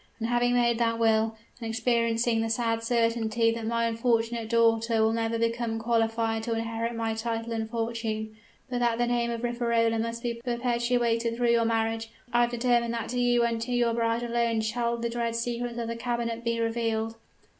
And having made that will, and experiencing the sad certainty that my unfortunate daughter will never become qualified to inherit my title and fortune, but that the name of Riverola must be perpetuated through your marriage, I have determined that to you and to your bride alone shall the dread secrets of the cabinet be revealed."